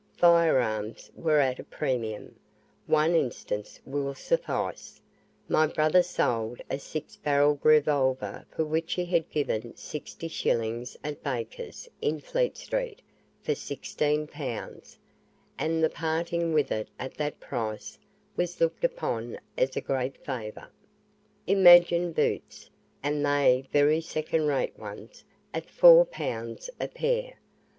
Fire arms were at a premium; one instance will suffice my brother sold a six barrelled revolver for which he had given sixty shillings at Baker's, in Fleet Street, for sixteen pounds, and the parting with it at that price was looked upon as a great favour. Imagine boots, and they very second rate ones, at four pounds a pair.